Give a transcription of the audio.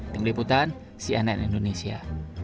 tim liputan cnn indonesia